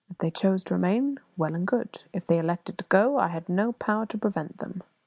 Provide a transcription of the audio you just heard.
If they chose to remain, well and good; if they elected to go, I had no power to prevent them.